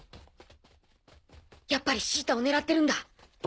やっぱりシータを狙ってるんだ。